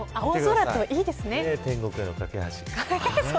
天国への懸け橋。